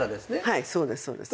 はいそうですそうです。